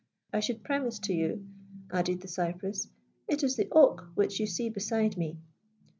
I should premise to you," added the cypress, "it is the oak which you see beside me."